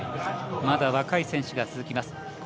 まだ若い選手が続きます。